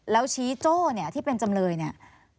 แล้วชี้โจ้เนี่ยที่เป็นจำเลยเนี่ย